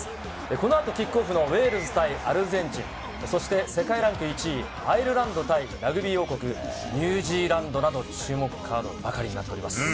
この後、キックオフのウェールズ対アルゼンチン、そして、世界ランク１位アイルランド対ラグビー王国・ニュージーランドなど、注目カードばかりです。